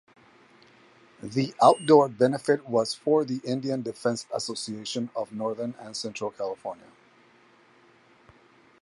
The outdoor benefit was for the Indian Defense Association of Northern and Central California.